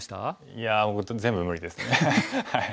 いや僕全部無理ですね。